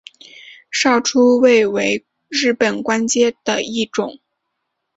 少初位为日本官阶的一种。